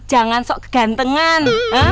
jangan sok kegantengan